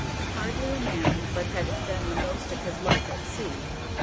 Hardly a man but had been the most of his life at sea.